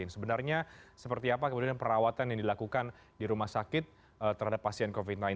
sebenarnya seperti apa kemudian perawatan yang dilakukan di rumah sakit terhadap pasien covid sembilan belas